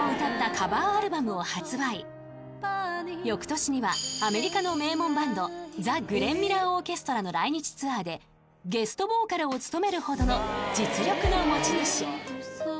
［よくとしにはアメリカの名門バンドザ・グレン・ミラーオーケストラの来日ツアーでゲストボーカルを務めるほどの実力の持ち主］